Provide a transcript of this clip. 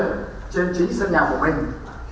trên chính sân nhà của mình